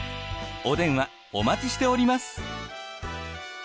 お電話お待ちしております。